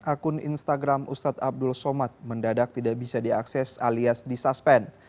akun instagram ustadz abdul somad mendadak tidak bisa diakses alias disuspend